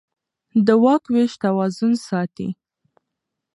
د واک وېش توازن ساتي